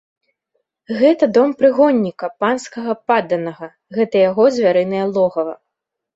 Гэта дом прыгонніка, панскага падданага, гэта яго звярынае логава.